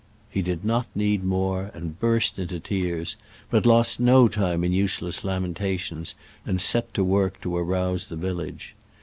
He did not need more, and burst into tears, but lost no time in use less lamentations, and set to work to arouse the village.